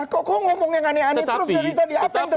kok ngomong yang aneh aneh terus dari tadi